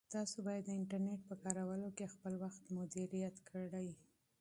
تاسو باید د انټرنیټ په کارولو کې خپل وخت مدیریت کړئ.